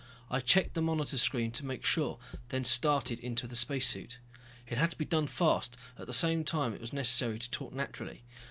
I checked the monitor screen to make sure, then started into the spacesuit. It had to be done fast, at the same time it was necessary to talk naturally.